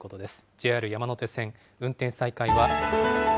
ＪＲ山手線、運転再開は。